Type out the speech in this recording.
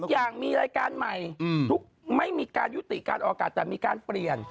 ทุกอย่างมีรายการใหม่ทุกไม่มีการยุติการออกอากาศแต่มีการเปลี่ยน